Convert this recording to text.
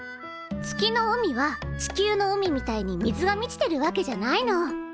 月の海は地球の海みたいに水が満ちてるわけじゃないの。